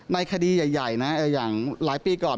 ในคดีใหญ่นะอย่างหลายปีก่อน